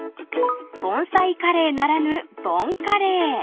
［盆栽カレーならぬ盆カレー］